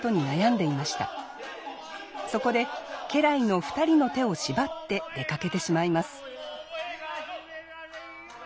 そこで家来の２人の手を縛って出かけてしまいます。